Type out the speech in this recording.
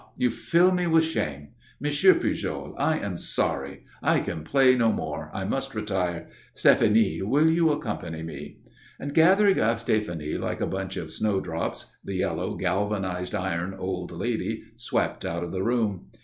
you fill me with shame. Monsieur Pujol, I am sorry I can play no more, I must retire. Stéphanie, will you accompany me?" And gathering up Stéphanie like a bunch of snowdrops, the yellow, galvanized iron old lady swept out of the room.